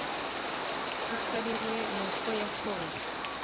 utari we a Nuko Yakobo